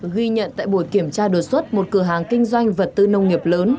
ghi nhận tại buổi kiểm tra đột xuất một cửa hàng kinh doanh vật tư nông nghiệp lớn